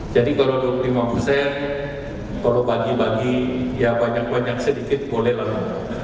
jadi kalau dua puluh lima kalau bagi bagi ya banyak banyak sedikit boleh lalu